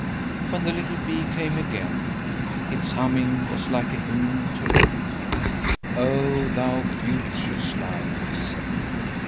When the little bee came again, its humming was like a hymn to life. "Oh, thou beauteous life," it said.